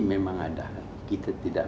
memang ada kita tidak